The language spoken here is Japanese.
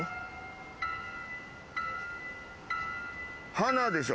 鼻でしょ。